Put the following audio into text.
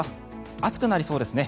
暑くなりそうですね。